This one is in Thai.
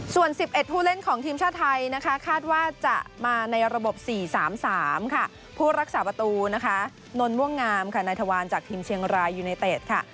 ส่วน๑๑ผู้เล่นของทีมชาติไทยนะคะคาดว่าจะมาในระบบ๔๓๓ค่ะผู้รักษาประตูนะคะนนม่วงงามค่ะนายทวารจากทีมเชียงรายยูเนเต็ดค่ะ